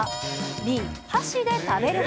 Ｂ、箸で食べる派。